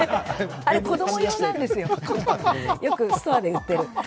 あれ、子供用なんですよ、よくストアで売っている。